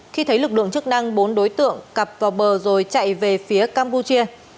khi thấy lực lượng chức năng bốn đối tượng cặp vào bờ rồi chạy về phía campuchia